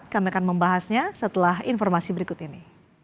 kami akan membahasnya setelah informasi berikut ini